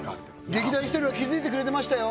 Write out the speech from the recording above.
劇団ひとりは気づいてくれてましたよ